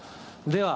では